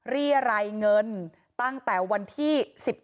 รี่ไรเงินตั้งแต่วันที่